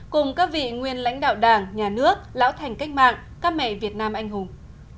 cùng các vị nguyên lãnh đạo đảng nhà nước lão thành cách mạng các mẹ việt nam anh hùng